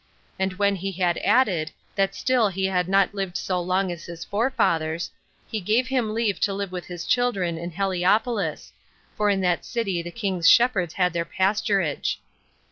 And when he had added, that still he had not lived so long as his forefathers, he gave him leave to live with his children in Heliopolis; for in that city the king's shepherds had their pasturage.